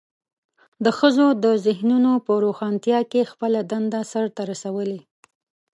د ښځو د ذهنونو په روښانتیا کې خپله دنده سرته رسولې.